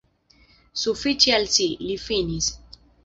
Sufiĉi al si, li finis.